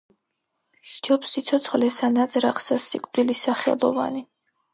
სჯობს სიცოცხლესა ნაძრახსა სიკვდილი სახელოვანი.